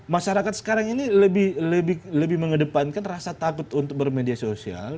masyarakat sekarang ini lebih mengedepankan rasa takut untuk bermedia sosial